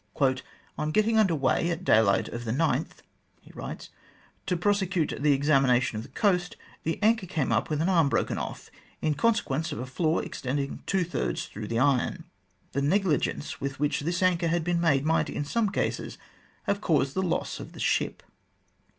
" On getting under way at daylight of the 9th," he writes, " to prosecute the examination of the coast, the anchor came up with an arm broken off, in consequence of a flaw extend ing two thirds through the iron. The negligence with which this anchor had been made might, in some cases, have caused the loss of the ship."